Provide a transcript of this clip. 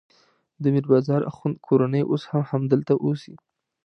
د میر بازار اخوند کورنۍ اوس هم همدلته اوسي.